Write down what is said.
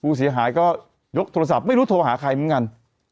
ผู้เสียหายก็ยกโทรศัพท์ไม่รู้โทรหาใครเหมือนกัน